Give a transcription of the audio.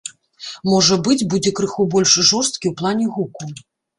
Можа быць, будзе крыху больш жорсткі ў плане гуку.